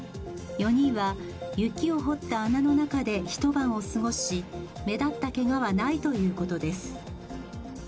４人は雪を掘った穴の中で一晩を過ごし目立ったけがはないということです。